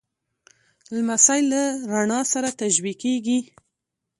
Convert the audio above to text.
لمسی له رڼا سره تشبیه کېږي.